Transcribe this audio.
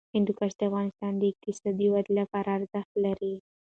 هندوکش د افغانستان د اقتصادي ودې لپاره ارزښت لري.